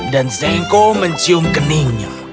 dan zengko mencium keningnya